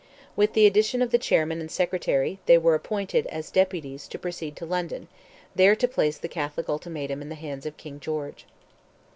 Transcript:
With the addition of the Chairman and Secretary, they were appointed as deputies to proceed to London, there to place the Catholic ultimatum in the hands of King George.